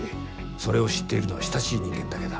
それを知っているのは親しい人間だけだ。